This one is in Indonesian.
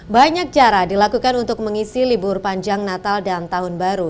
banyak cara dilakukan untuk mengisi libur panjang natal dan tahun baru